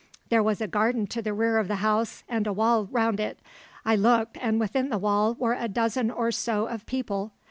There was a garden to the rear of the house, and a wall round it. I looked, and within the wall were a dozen or so of people.